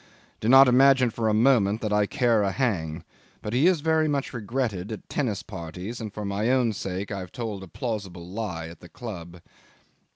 Do not imagine for a moment that I care a hang; but he is very much regretted at tennis parties, and for my own sake I've told a plausible lie at the club.